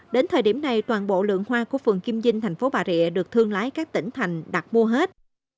đến thời điểm này toàn bộ lượng hoa của phường kim dinh thành phố bà rịa được thương lái các tỉnh thành đặt mua hết